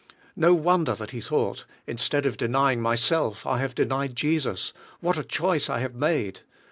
No wonder that he thought: "Instead of denying m3^self, I have denied Jesus; what a choice I have made!"